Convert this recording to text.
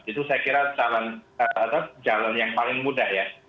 itu saya kira jalan yang paling mudah ya